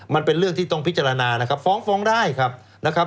มันเป็นเรื่องที่ต้องพิจารณานะครับฟ้องได้ครับ